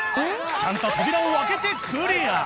ちゃんと扉を開けてクリア